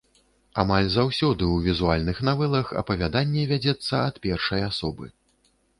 Амаль заўсёды ў візуальных навелах апавяданне вядзецца ад першай асобы.